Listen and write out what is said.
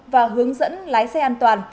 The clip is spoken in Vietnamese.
và hướng dẫn lái xe an toàn